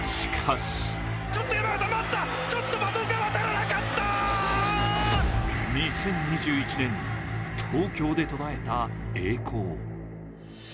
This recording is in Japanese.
しかし２０２１年、東京で途絶えた栄光。